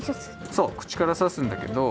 そうくちからさすんだけど。